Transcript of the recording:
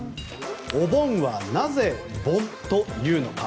お盆はなぜ盆と言うのか？